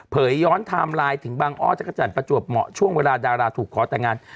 ย้อนไทม์ไลน์ถึงบางอ้อจักรจันทร์ประจวบเหมาะช่วงเวลาดาราถูกขอแต่งงาน